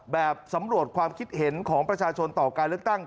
แบบสำรวจความคิดเห็นของประชาชนต่อการเลือกตั้ง